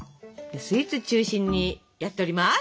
スイーツ中心にやっております！